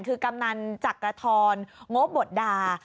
คือกำนันจักรทรงบบทดา